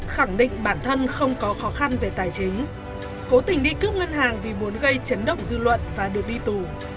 khẳng định bản thân không có khó khăn về tài chính cố tình đi cướp ngân hàng vì muốn gây chấn động dư luận và được đi tù